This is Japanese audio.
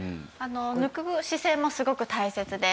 抜く姿勢もすごく大切です。